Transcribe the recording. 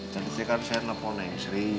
tadi kan saya telepon neng sri